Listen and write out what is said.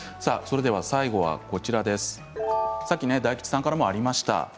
最後はさっき大吉さんからもありました